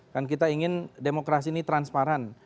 kan kita ingin demokrasi ini transparan